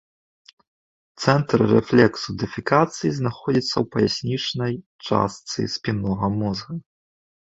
Цэнтр рэфлексу дэфекацыі знаходзіцца ў паяснічнай частцы спіннога мозга.